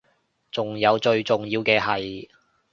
仲有最重要嘅係